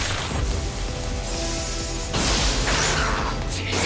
ちっ。